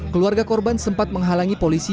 keluarga korban sempat menghalangi polisi